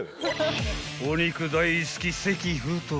［お肉大好き関太］